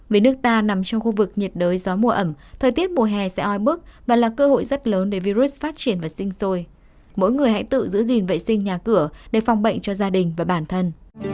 với nước ta nằm trong khu vực nhiệt đới gió mùa ẩm thời tiết mùa hè sẽ oi bức và là cơ hội rất lớn để virus phát triển và sinh sôi mỗi người hãy tự giữ gìn vệ sinh nhà cửa để phòng bệnh cho gia đình và bản thân